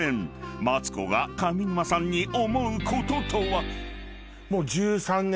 ［マツコが上沼さんに思うこととは？］